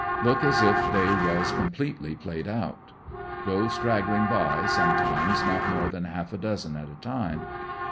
Look as if they was completely played out. Go straggling by sometimes not more than half a dozen at a time.